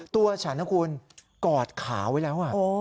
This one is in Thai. ตัวฉันนะคุณกอดขาไว้แล้ว